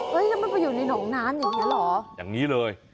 แล้วมันไปอยู่ในหนองน้ำอย่างนี้เหรออย่างนี้เลย